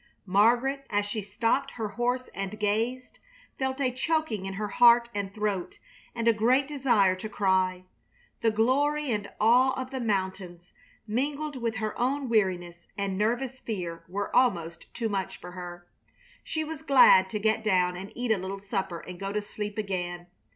Margaret, as she stopped her horse and gazed, felt a choking in her heart and throat and a great desire to cry. The glory and awe of the mountains, mingled with her own weariness and nervous fear, were almost too much for her. She was glad to get down and eat a little supper and go to sleep again.